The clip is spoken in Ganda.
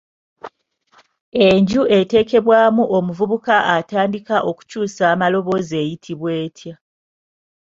Enju eteekebwamu omuvubuka atandiikiriza okukyusa amaloboozi eyitibwa etya?